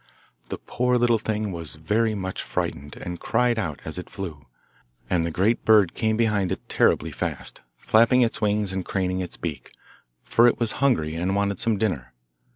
The poor little thing was very much frightened and cried out as it flew, and the great bird came behind it terribly fast, flapping its wings and craning its beak, for it was hungry and wanted some dinner.